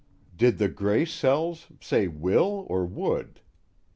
_Did the gray cells say WILL or WOULD?